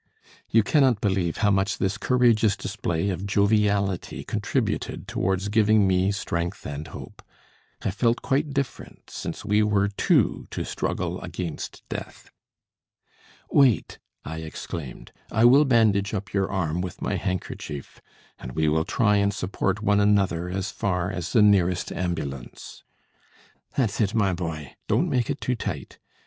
You cannot believe how much this courageous display of joviality contributed towards giving me strength and hope. I felt quite different since we were two to struggle against death. "Wait," I exclaimed, "I will bandage up your arm with my handkerchief, and we will try and support one another as far as the nearest ambulance." "That's it, my boy. Don't make it too tight.